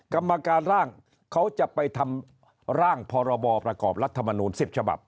กรรมการร่างเขาจะไปทำร่างพรบประกอบรัฐมนูล๑๐ฉบับ